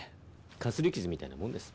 かすり傷みたいなもんです。